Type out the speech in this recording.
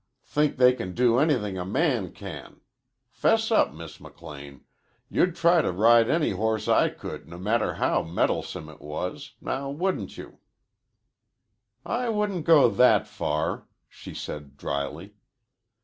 "Think they can do anything a man can. 'Fess up, Miss McLean. You'd try to ride any horse I could, no matter how mettlesome it was. Now wouldn't you?" "I wouldn't go that far," she said dryly.